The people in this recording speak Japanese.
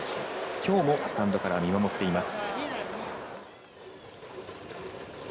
きょうもスタンドから見守っています。